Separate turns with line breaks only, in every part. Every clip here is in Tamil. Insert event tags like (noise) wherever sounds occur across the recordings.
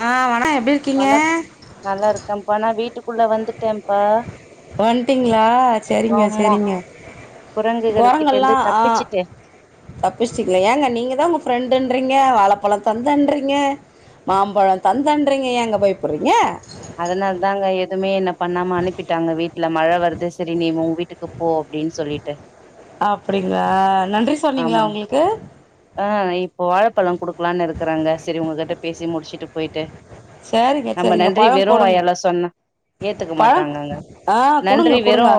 ஆ (unintelligible)
வணக் நல்லாருக்கம்பா நா வீட்டுக்குள்ள வந்துட்டேம்
வன்ட்டிங்களா செரிங்க
ஆமா
செரிங்க
குரங்குகள் கிட்ட
கொரங்கல்லா
இருந்து
ஆ
தப்பிச்சுட்டே
தப்பிஷ்டிங்ளே ஏங்க நீங்க தா உங்க பிரண்டுன் னிங்க வாலப்பலந் தந்தண்றீங்க மாம்பழம் தந்தண்றீங்க ஏங்க பயபுற்றீங்க
அதனால தாங்க எதுமே என்ன பண்ணாம அனுப்பிட்டாங்க வீட்ல மழ வருது சரி நீ ஊ வீட்டுக்கு போ அப்டின் சொல்லிட்டு
அப்படிங்ளா நன்றி சொன்னீங்ளா
ஆமாங்
அவுங்குளுக்கு
த்தலா குடுக்கலான் இருக்கறங்க செரி உங்ககிட்ட பேசி முடிச்சிட்டு போய்ட்டு
சேரிங்க செரிங்க
நன்றி வெறு வாயாலா சொன்னா ஏத்துக்க
பழோ
மாட்டாங்கங்க
ஆ குடுங்க
நன்றி வெறு
குடுங்க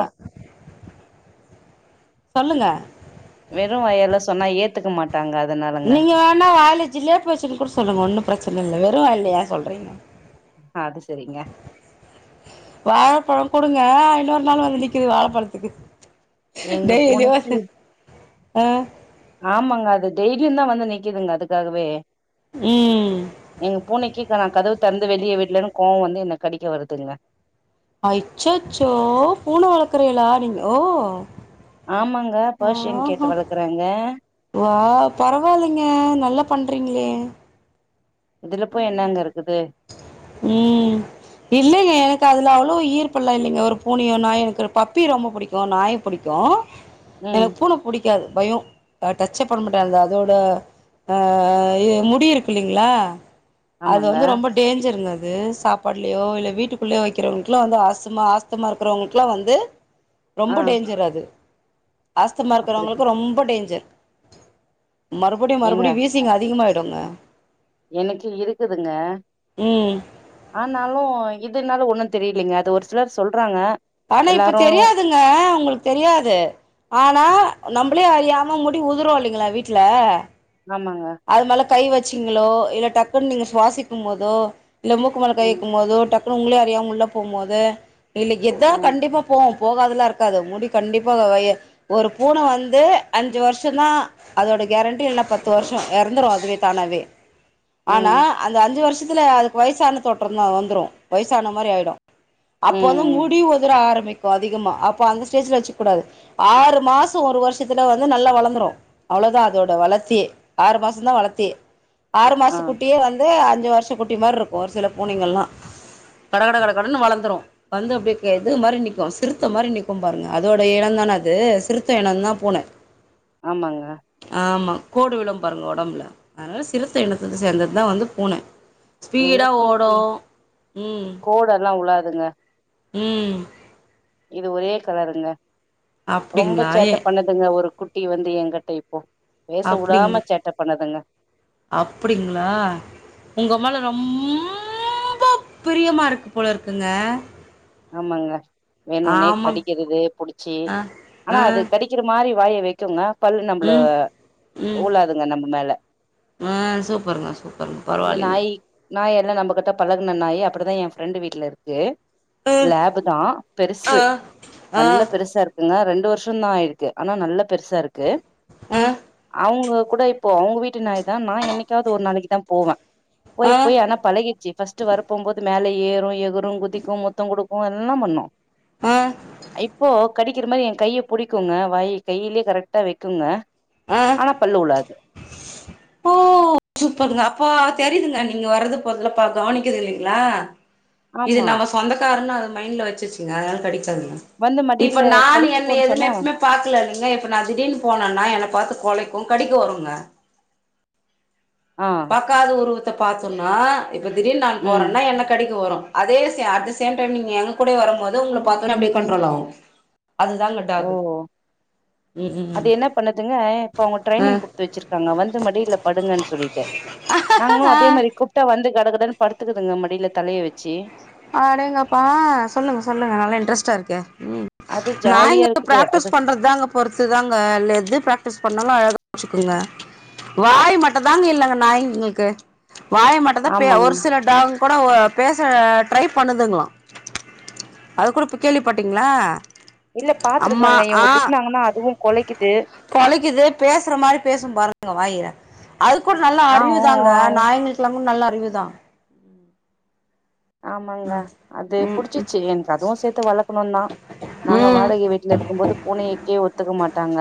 சொல்லுங்க
வெறு வாயால சொன்னா ஏத்துக்க மாட்
நீங்க வேணா வாய்ல ஜிலேப்பி வெச்சினு கூட சொல்லுங்க ஒன்னு ப்ரெச்சன இல்ல வெறு வாய்ல யா சொல்றீங்க
அது செரிங்க
தா இன்னொர் நாள் வந்து நிக்கிது வாழப்பழத்துக்கு
எங்க
டெய்லியு
பூனைக்கி
வந்து ஆ
ஆமாங்க அது டெய்லியுந்தா வந்து நிக்குதுங்க அதுக்காகவே
ம்
எங் பூனைக்கி சோ நா கதவு தெறந்து வெளிய விட்லனு கோவ் வந்து என்ன கடிக்க வருதுங்க
அய்ச்சச்சோ பூன வளக்கறீலா நீங் ஓ
ஆமாங்க பேர்ஷியன் கேட்டு வளக்குறேங்க
வாவ் பரவால்லிங்க நல்லா பண்றீங்ளே
இதுல போய் என்னங்க இருக்குது
ம் இல்லிங்க எனக்கு அதுல அவ்ளோ ஈரப்பல்லா இல்லிங்க ஒரு பூனயோ நாய் எனக்கு பப்பி ரொம்ப புடிக்கு நாய் புடிக்கு அ
ம்
எனக்கு பூன புடிக்காது பயோ அத டச்சே பண்ண மாட்ட அந்த அதோட அ இது முடி இருக்கில்லிங்ளா
ஆமாங்க
தெஞ்சிருந்தது சாப்பாட்லியோ இல்ல வீட்டுக்குள்ளே வைக்றவங்ளுக்ல்லா வந்து ஆஸ்துமா ஆஸ்துமா இருக்கறவங்ளுக்ல்லா வந்து
ஆ
ரொம்ப டேஞ்சர் அது அஸ்துமா
அப்டித்தா
இருக்றவங்ளுக்கு ரொம்ப டேஞ்சர் மறுபடியு
ஏங்க
மறுபடியு வீசிங் அதிகமாய்டுங்க
எனக்கு இருக்குதுங்க
ம்
ஆனாலு இதுனால ஒண்ணு தெரிலீங்க அது ஒரு சிலர் சொல்றாங்க
ஆனா இப்ப
எல்லாரு
தெரியாதுங்க உங்ளுக் தெரியாது ஆனா நம்பளே அறியாம முடி உதுரு இல்லிங்கிளா வீட்ல
ஆமாங்க
அது மேல கை வச்சீங்களோ இல்ல டக்குன் நீங்க சுவாசிக்கும் மோதோ இல்ல மூக்கு மேல கை
ம்
வெக்கும் மோதோ டக் உங்ளே அறியாம உள்ள போம்மோது இல்ல எதோ
ம்
கண்டிப்பா போவு போகாதல்லா இருக்காது முடி கண்டிப்பா வ ம் ஒரு பூன வந்து அஞ்சு வர்ஷோந்தா அதோ ட கேரண்டி இல்ல பத்து வர்ஷோ எறந்திரு அதுவே தானாவே ஆனா
ம்
அந்த அஞ்சு வர்ஷத் துல அதுக்கு வய்சான தோற்றோந்தா வந்திரு வய்சான மாரி ஆய்டு அப்போ வந்து
ம்
முடி உதுர ஆரம்பிக் க்கு அதிகமா அப்ப அந்த ஸ்டேஜ்ல வெச்சிக் கூடாது ஆறு மாசோ ஒரு வர்ஷத்துல வந்து நல்லா வளர்ந்துடு அ அவ்ளோதா அதோட வளத்தியே ஆறு மாசோந்தா வளத்தியே ஆறு
ஆ
மாஸ்து குட்டியே வந்து அந் அஞ்சு வர்ஷ குட்டி மார்ருக்கு ஒரு சில பூனைங்கல்லா கட கட கட கடன் வளர்ந்திரு வந்து அப்டே க இது மாரி நிக்கு சிறுத்த மாரி நிக்கு பாருங்க அதோட இன்ந் தான அது சிறுத்த எனொந்தா பூன
ஆமாங்க
ஆமா கோடு விழு பாருங்க ஒடம்புல அதனால சிறுத்த எனத்துது சேந்தத்தா வந்து பூன
எங்க
ஸ்பீடா ஓடு
பூனைக்கு
ம்
இதுங்க
ம்
இது ஒரே கலருங்க ரொம்ப
அப்டிங்களா ஏ
சேட்ட பண்ணுதுங்க ஒரு குட் ட்டி வந்து ஏங்கட்ட இப்போ பேச வுடாம சேட்ட பண்ணுதுங்க
அப்டிங்ளா உங்க மேல ரொம் அவ்ளோ பிரியமா இருக்கு போல இருக்குங்க
ம்மாங்க வேணுனே
ஆமாங்
கடிக்கிறது புடிச்சி
ஆ
ஆனா
ஆ
அது கடிக்கிற மாரி வாய வைக்குங்க பல்லு நம்ள
ம் ம்
உழாதுங்க நம்மு மேல
ஆ சூப்பருங்க சூப்பரு பரவா
இந்த
இல்லிங்க
நாய் நாய் எல்லா நம்ம கிட்ட பழகுன நாயி அப்பிடிதா என் ஃப்ரெண்டு் வீட்ல இருக்கு லேபு தா
ஆ ஆ
பெருசு
ஆ
நல்ல பெருசா இரு இதுங்க ரெண்டு வர்ஷோந்தா ஆய்ர்க்கு ஆனா நல்ல பெருசா இருக்கு
அ
அவுங்க கூட இப்போ அவுங்க வீட்டு நாய் தா நா என்னைக்காவ்து ஒரு நாளைக்கு தா போவ போய்
ஆ
போய் ஆனா பழகிட்ச்சு ஃபஸ்ட்டு வரபோம்போது மேல ஏறு எகுறு குதிக்கு முத் தோ குடுக்கு எல்லா பண்ணு
ஆ ஆ
இப்போ கடிகிற மாரி என் கைய புடிக்குங்க வாய் கையிலே கரெக்டா வெக்குங்க ஆனா பல்லு உழாது
சூப்பர்ங்க அப்போ தெரிதுங்க நீங்க வரது போறதுலா பா கவனிக்கிது இல்லைங்ளா இது
ஆமா
நம்ம சொந்தக்காருன் அது மைண்ட்ல வச்சிருச்சுங்க அதுனால கடிக்காதுங்க
வந்து
இப்ப
மடியில
நான் என்ன
படுத்துக்கோன்னு
எதுன்
சொன்னா
எப்மே பாக்குல இல்ல இப்ப நா திடீர்ன் போனானா என்ன பாத்து கொலை கு கடிக்க வருங்க
ஆ
பாக்காத உருவத்த பாத்தோன்னா இப்ப திடீர்ன் நான்
ம்
போறன்னா என்ன கடிக்கு வரு அதே சே அட் த சேம் டைம் நீங்க எங்க கூடே வரமோது உங்ள பாத்தோனே அப்டியே கண்ட்ரோல் ஆகு நல்ல
ஓ
டாகு
அது என்ன பண்ணுதுங்க இப்ப அவுங்க
ஆ
ட்ரைனிங் குடுத்து வச்சிருக்காங்க வந்து மடிட்ல படுங்கன் சொல்லிட்டு நாங்ளு அதே
ஆஹ்
மாரி கூப்ட்டா வந்து கடகடனு படுத்துக்குதுங்க மடில தலைய வச்சு
அடேங்கப்பா ஆ சொல்லுங்க சொல்லுங்க நல்லா இன்ட்ரெஸ்டா இருக்கே ம்
அது
நா
ஜாலியா
இங்க
இருக்குது அது
ப்ராக்டிஸ் பண்றதாங்க பொறுத்து தாங்க லெது ப்ராக்டிஸ் பண்ணாலு அழ வச்சுக்குங்க வாய் மட்டுந்தாங்க இல்லங்க நாய்ங்குள்க்கு வாய் மட்டு தா பே
ஆமாங்க
ஒரு சில டாக் கூட வோ பேச ட்ரை பண்ணுதுங்ளா அது கூட இப்பு கேள்விபட்டீங்ளா
இல்ல பாத்துருக்றங்க இவுங்க திட்னாங்கனா அதுவு கொழைக்கிது
கொழைக்கிது பேசுற மாரி பேசும் பாருங்க வாய்ய அதுக்கூ நல்ல
ஆ
அறிவு
ஊ ஊ
தாங்க
ஆ ஊ
நாய்ங்குளுக்குலாமு நல்ல அறிவு தா
ஆமாங்க அது
ம்
புடிச்சுச்சு என்க்கு அதுவு சேத்து வளக்கணுன் தா நாங்க
ம்
வாடகை வீட்ல இருக்கும் போது பூனையைக்கே ஒத்துக்க மாட்டாங்க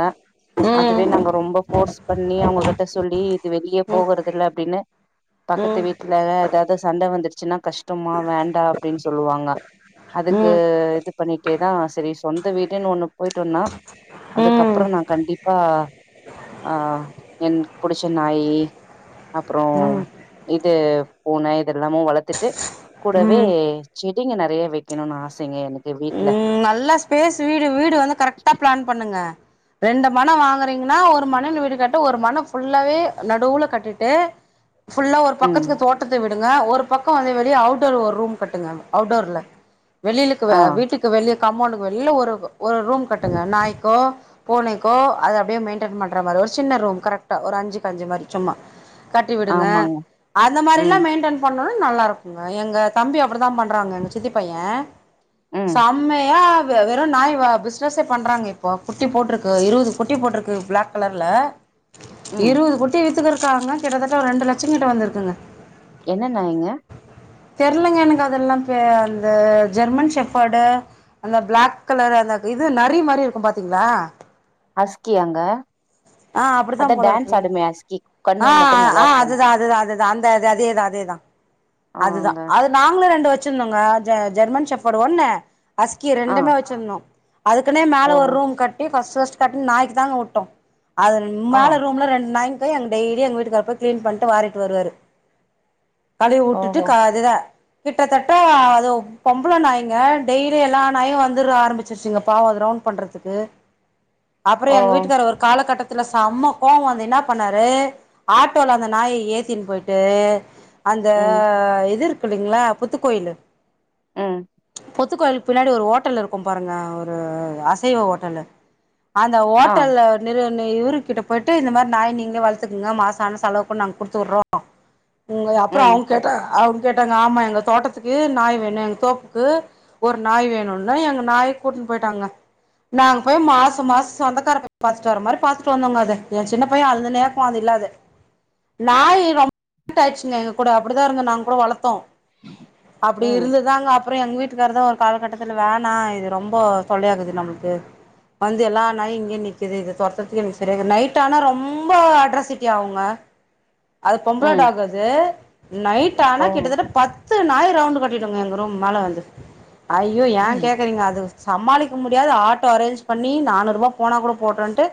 ம்
அதுவே நாங்க ரொம்ப ஃபோர்ஸ் பண்ணி அவுங்ககட்ட சொல்லி இது வெளிய
ம்
போகறதுல்ல அப்டின்னு பக்கத்து
ம்
வீட்லலா எதாது சண்ட வந்திர்ச் சும்மா வேண்டா அப்டின் சொல்லுவாங்க
ம்
அதுக்கு
ம்
இது பண்ணிட்டேதா செரி சொந்த வீடுன் ஒண்ணு போய்ட்டோன்னா அதுக்கப்றோ
ம்
நா கண்டிப்பா ஆ என்க் புடிச்ச நாயி அப்றோ
ம்
இது பூன இதெல்லாமு வளத்துட்டு கூடவே
ம்
செடிங்க நெறைய வைக்கணுன் ஆசைங்க எனக்
ம் நல்லா ஸ்பேஸ் வீடு வீடு வந்து கரெக்ட்டா பிளான் பண்ணுங்க ரெண்டு மன வாங்குறீங்குனா ஒரு மனல் வீடு கட்ட ஒரு மன ஃபுல்லாவே நடூல கட்டிட்டு ஃபுல்லா ஒரு
ம்
பக்கத்துக்கு தோட்டத்த விட் டுங்க ஒரு பக்கோ வந்து வெளிய அவ்டோர் ஒர் ரூம் கட்டுங்க அவ்டோர்ல வெள் க்குவ
ஆ
வீட்டுக்கு வெளிர் காமோண்டுக்கு வெளில ஒரு ஒரு ரூம் கட்டுங்க நாய்க்கோ பூனைக்கோ அது அப்டியே மெய்ன்டென் பண்ற மாரி ஒரு சின்ன ரூம் கரெக்ட்டா ஒரு அஞ்சுக்கு அஞ்சு மாரி சும்மா கட்டி விடுங்க
ஆமாங்க
அந்த மாரிலா
ம்
மெய்ன்டென் பண்ணோ நல்லா இருக்குங்க எங்க தம்பி அப்டிதா பண்றாங்க எங்க சித்தி பைய
ம்
சம்மயா வ வெறு நாய் வ பிஸ்னசே பண்றாங்க இப்போ குட்டி போட்ருக்கு இருவது குட்டி போட்ருக்கு ப்ளாக் கலர்ல
ம்
இருவது குட்டி வித்துக்கிருக்காங்க கிட்டத்தட்ட ஒரு ரெண்டு லட்சோ கிட்ட வந்துருக்குங்க
என்ன நாய்ங்க
தெர்லங்க எனக்கு அதெல்லா பே அந்த ஜெர்மன் செஃப் படு அந்த ப்ளாக் கலர் அந்த இது நரி மாரி இருக்கூ பாத்தீங்ளா
அஸ்கியாங்க
ஆ அப்டித்தா போலருக்கு
கண்ணு
ஆ
மட்டு நல்லா
ஆ
இருக்குங்க
அதுதா அதுதா அது அந்த அதேதா அதேதா அதுதா
ஆங்க
அது நாங்களு ரெண்டு வெ ச்சிருந்தோங்க ஜெ ஜெர்மன் செஃப்பர் ஒன்னு அஸ்கி
ஆ
ரெண்டுமே வெச்சுருந்தோ அதுக்குனே மேல
ஓ
ஒரு ரூம் கட்டி ஃபஸ்ட் ஃபஸ்ட் கட்டி நாய்க்கு தாங்க உட்டோ அது
ஆ
மேல ரூம்ல ரெண்டு நாய்ங் க டெய்லி எங்க வீட்டுக்கார் போய் க்ளீன் பண்ணிட்டு வாரிட்டு வருவாரு கழிவு ட்டுட்டு க இதுத கிட்டத்தட்ட அது பொம்பள நாய்ங்க டெய்லி எல்லா நாயு வந்துற ஆரம்பிச்சுருச்சுங்க பாவோ அது ரௌண்ட் பண்றதுக்கு அப்றோ எங்க வீட்டுக்கார் ஒரு காலகட்டத் த்துல செம்ம கோவோ வந்து என்ன பண்ணாரு ஆட்டோல அந்த நாய ஏத்தின்னு போய்ட்டு அந்த இது இருக்குல்லைங்ளா புத்துக்கோயிலு புத்துக்கோயிலுக் பின்னாடி ஒரு ஓட்டல் இருக்கும் பாருங்க ஒரு அசைவ ஓட்டலு அந்த ஓட்டல்ல நிறு இவரு கிட்ட போய்ட்டு இந்த மாரி நாய் நீங்ளே வளத்துக்குங்க மாச ஆன செலவுக்கு கூட நாங்க குடுத்துட்றோ ம் அப்பறோ அவுங்க கேட்டாக அவங்க கேட்டாங்க ஆமா எங்க தோட்டத்துக்கு நாய் வேணு எங்க தோப்புக்கு ஒரு நாய் வேணுல்ல எங்க நாய் கூட்டினு போயிட்டாங்க நாங்க போய் மாச மாச சொந்தக்காரங்கள பாத்துட்டு வர மாரி பாத்துட்டு வந்தோங்க அத எ சின்ன பைய அழுதுனே இருக்கு அது இல்லாத நாய் ரொம்ப அட்டேச்சுங்க எங்க கூட அப்படிதா இருந்தோ நாங் களு வளத்தோ அப்படி இருந்துதாங்க அப் பற எங்க வீட்டுக்காருதா ஒரு காலகட்டத்துல வேணா இது ரொம்ப தொல்லையாக்குது நம்மளுக்கு வந்து எல்லா நாயு இங்கே நிக்குது இது தொரத்ததுக்கு எனக்கு சரியா இரு நைட் ஆனா ரொம்ப அட்ராசிட்டி ஆகுங்க அது பொம்பள டாக் அது நைட் ஆனா கிட்டத்தட்ட பத் து நாயி ரவுண்டு் கட்டிடுங்க எங்க ரூம் மேல வந்து, ஐயோ ஏ
ம்.
கேக்கறீங்க அது சமாளிக்க முடியாது ஆட்டோ அரேஞ்ச் பண்ணி நானூருவா போனா கூட போட்டுன்ட்டு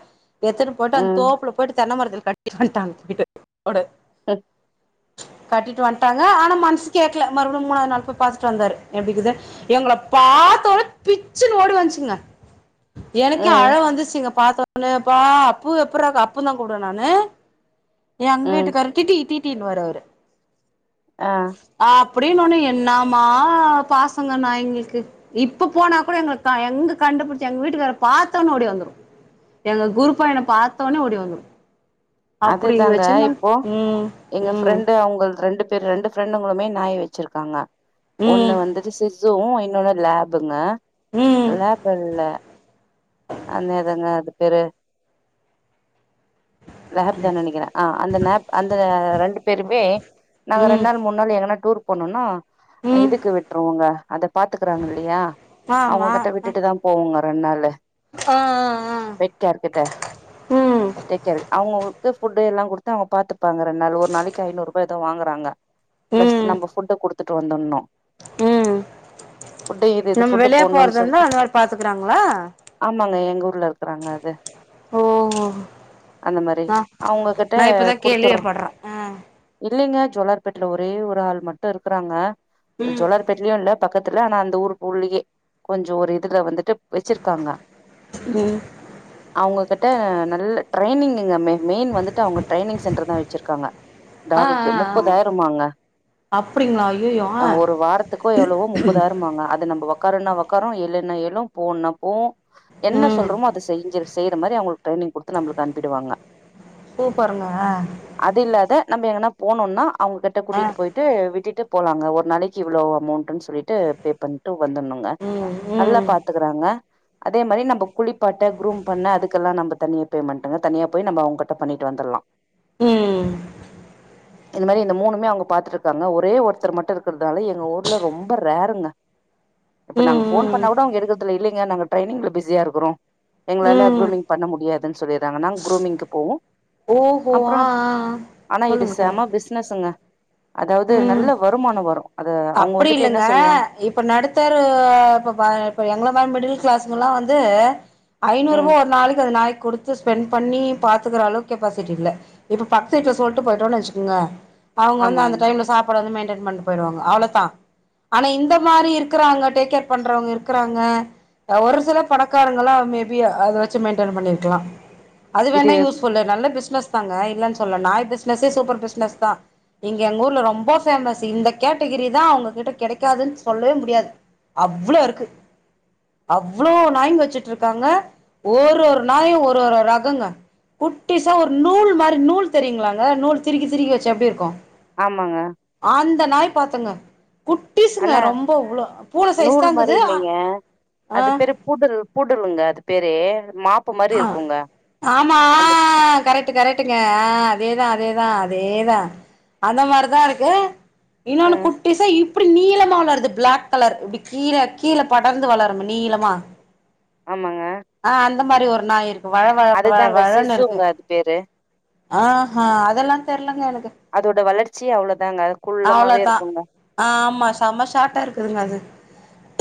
எத்தன்ன போட்டு அந்த
ம்.
தோப்புல போட்டு, தென்ன மரத்துல கட்டி வன்டாங்க போய்ட்டு ஓட
(unintelligible)
கட்டிட்டு வன் ட்டாங்க ஆனா மனசு கேக்கல, மறுபடியு மூணாவது நாள் போய் பாத்துட்டு வந்தாரு, எப்டி இக்குது எங்கள பாத்த உன்னே பிச்சின்னு ஓடி வந்துச்சுங்க எனக்கே அழ
ம்.
வந்துச்சிங்க பா்த்தோனேப்பா அப்பு எப்றாக்க அப்புன் தா கூப்புடுவே நானு எங்க
ம்.
வீட்டுக்காரு டீட்டி டீட்டின்னு வாரு அவரு
அ
அப்புடின்னுன்னே என்னமா பாசங்க நாயிங்களுக்கு, இப்ப போனா கூட எங்களுக்கு எங்க கண் டுபிடிச்சி எங்க வீட்டுக்கார பாத்தோன ஓடி வந்துரு எங்க குருபா என்ன பாத்தவுடனே ஓடி வந்துரு அப்டி
அதுதாங்க
வச்சிருந்தாங்க
இப்போ
ம்
எங்க
ம்
ஃப்ரெண்ட்டு அவுங்கள்து ரெண்டு பேர் ரெண்டு ஃரெண்டுங்களுமே நாய் வெச்சிருக்காங்க, ஒன்னு வந்துட்டு சிசுவு இன்னோனு லேபுங்க
ம் ம்
லேப் அல்ல அன்னதுங்க அது பேரு லேப் தான நினைக்கிறே ஆ அந்த னேப் அந்த ரெண்டு பேருமே நாங்க
ம்
ரெண்டு நாள் மூணு நாள் எங்கனா டூர் போனுனா
ம்
இதுக்கு விட்ருவாங்க அத பாத்துக்கறாங்க இல்லையா அவுங்க
ஆமா
கிட்ட
அ
விட்டுட்டுதா போவோங்க ரெண் நாளு
ஆ ஆ
பெட்கேர் கிட்ட
ம்
டேக்கேரு உங்ளுக்கு புட்டு எல்லா குடுத்து அவுங்க பாத்துப்பாங்க ரெண்டு நாளு ஒரு நாளைக்கு ஐநூறு ரூபா ஏதோ வாங்குறாங்க பிளஸ்
ம்
நம்ம ஃபுட்ட குடுத்துட்டு வந்துன்னோ
ம்
ஃபுட்டு இது இது
நம்ம
ஃபுட்டு
வெளிய
போட்ணுன்னு
போறதா இருந்தா
சொல்ட்டு
அந்த மாரி பாத்துக்குறாங்களா
ஆமாங்க எங்க ஊர்ல இருக்றாங்க அது
ஓ ஹ்ஓ
அந்த மாரி அவுங்க கிட்ட
கேள்வியே
குடுத்துறோ
பட்றே ஆ
இப் இல்லிங்க ஜோலார்பேட்டைல ஒரே ஒரு ஆள் மட்டு இருக்குறாங்க ஒரு
ம்
ஜோலார்பேட்டலயு இல்ல பக்கத்துல ஆனா அந்த ஊர்க்கு உள்ளயே கொஞ்சோ ஒரு இதுல வந்துட்டு வெச்சிருக்காங்க
ம்
அவ்ங்க கிட்ட நல்ல ட்ரெய்னிங்கங்க மெயின் வந்துட்டு அவேங்க ட்ரெய்னிங் சென்டர் தா வச்சிருக்காங்க
ஆ
டாக்குக்கு
ஆ ஆ
முப்பதாயிரமாங்க
அப்டிங்களா ஐயையோ ஆ
அங்க ஒரு வாரத்துக்கோ எவ்வளவோ முப்பதாயிரமாங்க அது நம்ம வக் காருண வக்காரு எழுன எழு போன போவு என்ன
ம்
சொல்றோமோ அத செஞ்சிருக் செய்ற மாரி அவங்களுக்கு ட்ரெய்னிங் குடுத்து நம்மளுக்கு அனுப்பிடுவாங்க
சூப்பருங்க ஆ
அது இல்லாத நம்ம எங்கனாப் போனோன்னா அவ்ங்க கிட்ட
ஆ
கூட்டிட்டு போயிட்டு விட்டுட்டு போலாங்கஸஒரு நாளைக்கு இவ்ளோ அமௌண்ட்டுன்னு சொ சொல்லிட்டு பே பண்ணிட்டு வந்துணுங்க
ம்
நல்லா
ம்
பாத்துக்கறாங்க அதே மாரி நம்ம குளிப்பாட்ட குரூம் பண்ண அதுக்கெல்லா நம்ம தனிய பேமெண்ட்டுங்க தனியா போய் நம்ம அவ்ங்கட்ட பண்ணிட்டு வந்துல்லா
ம்
இந்த மாரி இந்த மூணுமே அவுங்க பாத்துட்டு இருக்காங்க ஒரே ஒருத்தர் மட்டு இருக்கிறதுனால எங்க ஊர்ல ரொம்ப ரேருங்க இப்ப நாங்க
ம்
போன்
ம்
பண்ணா கூட அவுங்க எடுக்கர்த்துல்ல இல்லிங்க நா ட்ரெய்னிங்ல பிஸியா இருக்குறோ எங்களால
ம்
குரூமிங் பண்ண முடியாதுன்னு சொல்லிட்றாங்க நாங்க குரூமிங்க்கு போவோ
ஓஹோ
அப்றோ
ஆ ஆ ஆ
ஆனா இது செம பிசினஸுங்க
உம்
அது அவங்க
அப்படி
வந்துட்டு என்ன
இல்லங்க
சொல்லுவாங்க
இப்ப நடுத்தரு ப்ப ப இப்ப எங்கள மாரி மிடில் கிளாஸ்கல்லா வந்து ஐநூறு
ம்
ரூபா ஒரு நாளைக்கு அது நாய்க் குடுத்து ஸ்பெண்ட் பண்ணி பாத்துக்கற அளவு கெப்பாசிட்டி இல்ல இப்ப பக்கது வீட்ல சொல்லிட்டு போயிட்டோம்னு வச்சுக்கங்க அவ்ங்க வந்து
ஆமாங்க
அந்த டைம்ல சாப்பாடு வந்து மெயின்டெய்ன் பண்ட்டூ போயிடுவாங்க அவ்ளோதா ஆனா இந்த மாரி இருக்கறாங்க டேக் கேர் பண்றவங்க இருக்கறாங்க ஒரு சில பணக்காரங்களா மேபி அத வெச்சு மெயின்டன் பண்ணிருக்கலா அது
இது
வேணா யூஸ் புல்ல நல்ல பிஸ்னஸ் தாங்க இல்லன்னு சொல்ல நாய் பிஸ்னஸே சூப்பர் பிஸ்னஸ் தான் இங் எங் ஊர்ல ரொம்போ ஃபேமஸ் இந்த கேட்டகிரி தா அவ்ங்ககிட்ட கெடைக்காதுன்னு சொல்லவே முடியாது அவ்ளோ இருக்கு அவ்ளோ நாய்ங்க வெச்சிட்டு இருக்காங்க ஒரு ஒரு நாயும் ஒரு ஒரு ரகங்க குட்டிசா ஒரு நூல் மாரி நூல் தெரியுங்களாங்க நூல் திருகி திருகி வெச்ச எப்டி இருக்கு
ஆமாங்க
அந்த நாய் பாத்தங்க குட்டிசுங்க
ஆனா
ரொம்போ இவ்ளோ பூனை சைஸ்
நூல் மாரி
தாங்கிது
இல்லைங்க அது பேரு பூடருல் பூடருலுங்க அது பேரே
ஆ ஆமா
நம்ம
கரெக்ட்டு கரெக்ட் டுங்கஹ் அதேதா அதேதா அதேதா அந்த மாரிதா இருக்கு இன்னொன்னு
ம்
குட்டீஸ் இப் ப்டி நீளமா வளருது பிளாக் கலர் இப்டி கீழ கீழ படர்ந்து வளருமே நீளமா
ஆமாங்க
ஆ அந்த மாரி ஒரு நாய் இருக்கு வழவழ
அதுதாங்க
வழவழன்னு இருக்கு
சிசுங்க அது பேரு
ஆஹ்ஹ அதெல்லா தெர்லங்க எனக்
அதோட வளர்ச்சியே அவ்ளோ
அவ்வளோதா ஆ ஆமா செம ஷார்ட்டா இருக்குதுங்க அது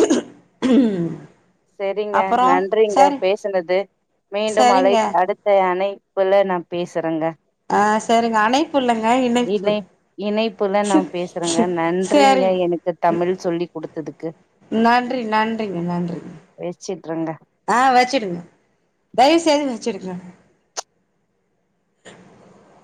உஹம்
சரிங்க நன்றிங்க பேசுனது மீண்டும் அழ
சரிங்க
அடுத்த அணை இப்பல்ல நா பேசுறங்க
ஆ சரிங்க அணைப்பு இல்லங்க
இண
இணைப்பு
இணைப்புல நான் பேசுறேங்க நன்றிங்
சேரிங்
எனக்கு தமிழ் சொல்லி் குடுத்ததுக்கு
நன்றி நன்றிங்க நன்றி
வச்சிட்றேங்க
ஆஹ் வச்சிருங்க தயவுசெய்து வச்சிருங்க (inaudible)